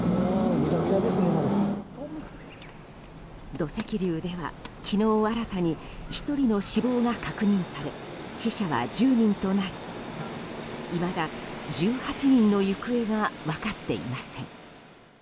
土石流では昨日新たに１人の死亡が確認され死者は１０人となりいまだ１８人の行方が分かっていません。